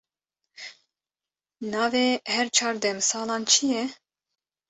Nevê her çar demsalan çi ye?